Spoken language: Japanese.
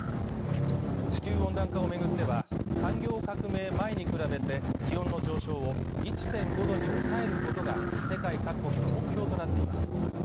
地球温暖化を巡っては産業革命前に比べて気温の上昇を１．５度に抑えることが世界各国の目標となっています